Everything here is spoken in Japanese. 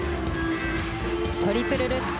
トリプルルッツ。